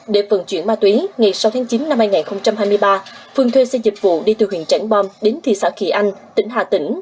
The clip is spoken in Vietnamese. để vận chuyển ma túy ngày sáu tháng chín năm hai nghìn hai mươi ba phương thuê xe dịch vụ đi từ huyện trảng bom đến thị xã kỳ anh tỉnh hà tĩnh